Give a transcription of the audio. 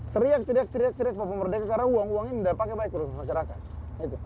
teriak teriak papua merdeka karena uang uang ini tidak pakai baik untuk masyarakat